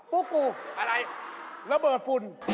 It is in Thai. พวกกูอะไรระเบิดฝุ่น